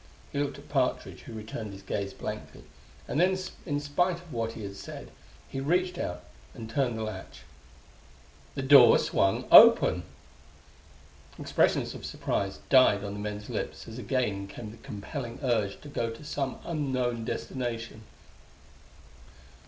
He looked at Partridge, who returned his gaze blankly and then, in spite of what he had said, he reached out and turned the latch. The door swung open! Expressions of surprise died on the men's lips as again came the compelling urge to go to some unknown destination.